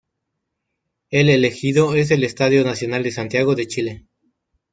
El elegido es el Estadio Nacional de Santiago de Chile.